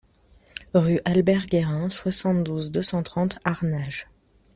Rue Albert Guérin, soixante-douze, deux cent trente Arnage